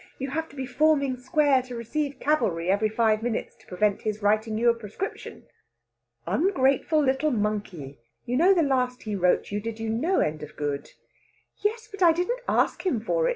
You have to be forming square to receive cavalry every five minutes to prevent his writing you a prescription." "Ungrateful little monkey! You know the last he wrote you did you no end of good." "Yes, but I didn't ask him for it.